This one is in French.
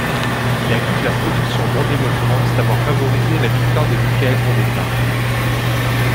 Il accuse la production d'Endemol France d'avoir favorisé la victoire de Mickaël Vendetta.